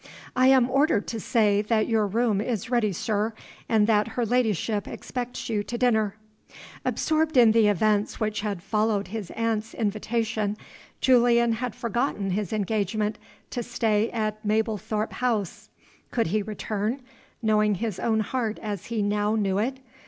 "I am ordered to say that your room is ready, sir, and that her ladyship expects you to dinner." Absorbed in the events which had followed his aunt's invitation, Julian had forgotten his engagement to stay at Mablethorpe House. Could he return, knowing his own heart as he now knew it?